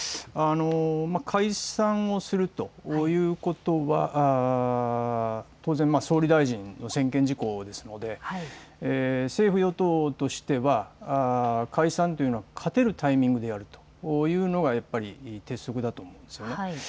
解散をするということは当然、総理大臣の専権事項ですので政府与党としては解散というのは勝てるタイミングでやるというのがやっぱり鉄則だと思うんです。